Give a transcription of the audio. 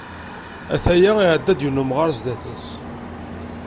Ata ya iɛedda-d, yiwen n umɣar sdat-s.